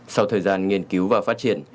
sau thời gian nghiên cứu và phát triển